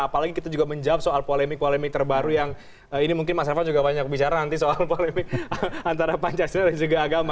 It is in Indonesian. apalagi kita juga menjawab soal polemik polemik terbaru yang ini mungkin mas elvan juga banyak bicara nanti soal polemik antara pancasila dan juga agama